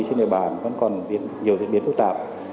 trên địa bàn vẫn còn diễn nhiều diễn biến phức tạp